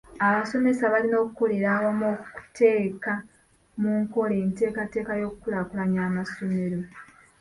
Abasomesa balina okukolera awamu okuteeka mu nkola enteekateeka y'okukulaakulanya amasomero.